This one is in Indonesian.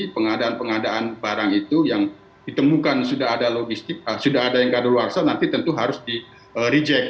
pengadaan pengadaan barang itu yang ditemukan sudah ada yang keadaan luar saha nanti tentu harus di reject